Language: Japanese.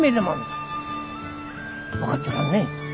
分かっちょらんね。